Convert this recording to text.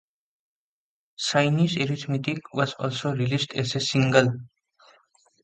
"Chinese Arithmetic" was also released as a single.